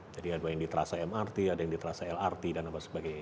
jadi ada yang di terasa mrt ada yang di terasa lrt dan apa sebagainya